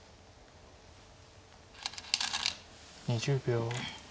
２０秒。